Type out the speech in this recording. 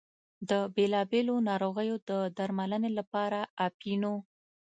د بېلا بېلو ناروغیو د درملنې لپاره اپینو.